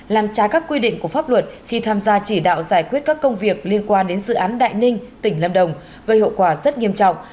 làm trá các quy định của pháp luật khi tham gia chỉ đạo giải quyết các công việc liên quan đến dự án đại ninh tỉnh lâm đồng gây hậu quả rất nghiêm trọng